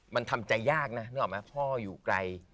มันทำใจยากนะนึกออกไหมพ่ออยู่ไกล